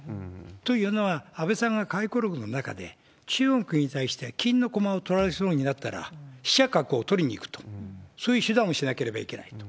というのは、安倍さんが回顧録の中で、中国に対しては、金の駒を取られそうになったら、飛車角を取りに行くと、そういう手段をしなければいけないと。